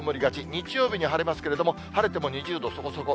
日曜日に晴れますけれども、晴れても２０度そこそこ。